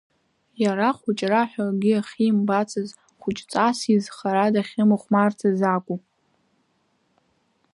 Иара хәыҷра ҳәа акгьы ахьимбацыз, хәыҷҵас изхара дахьымыхәмарцыз акәу.